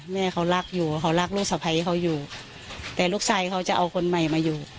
แม่เขารักอยู่เขารักลูกสะพ้ายเขาอยู่แต่ลูกชายเขาจะเอาคนใหม่มาอยู่